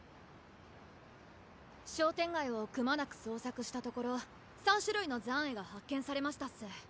商店街をくまなく捜索したところ３種類の残穢が発見されましたっす。